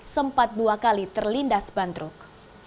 sempat dua kali terlindas bantruk